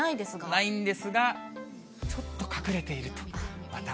ないんですが、ちょっと隠れていると、また。